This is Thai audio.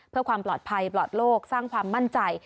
เพื่อความปลอดภัยปลอดโลกสร้างความมั่นใจ